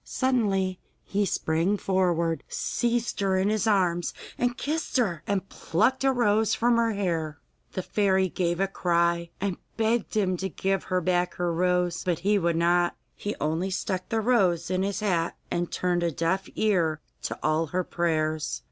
Suddenly he sprang forward, seized her in his arms and kissed her, and plucked a rose from her hair. The fairy gave a cry, and begged him to give her back her rose, but he would not. He only stuck the rose in his hat, and turned a deaf ear to all her prayers.